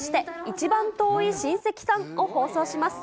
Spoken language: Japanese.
一番遠い親戚さんを放送します。